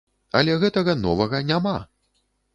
Але гэтага новага няма!